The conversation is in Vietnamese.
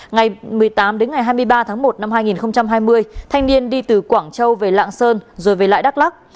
ngày một mươi tám đến ngày hai mươi ba tháng một năm hai nghìn hai mươi thanh niên đi từ quảng châu về lạng sơn rồi về lại đắk lắc